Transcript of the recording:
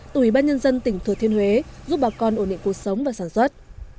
từ ủy ban nhân dân tỉnh thừa thiên huế giúp bà con ổn định cuộc sống và sản xuất